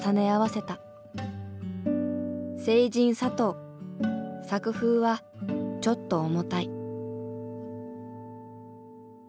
聖人・佐藤作風はちょっと重たい。